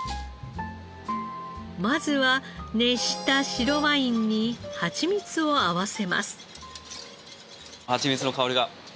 まずは熱した白ワインにハチミツを合わせます。